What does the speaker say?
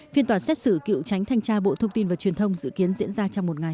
phiên tòa xét xử cựu tránh thanh tra bộ thông tin và truyền thông dự kiến diễn ra trong một ngày